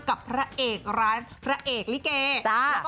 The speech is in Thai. กับพระเอกร้านพระเอกลิเกจ